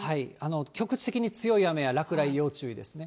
局地的に強い雨や落雷要注意ですね。